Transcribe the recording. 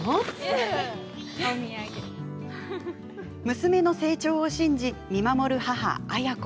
娘の成長を信じ、見守る母亜哉子。